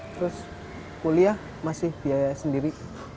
terus kuliah masih biaya sendiri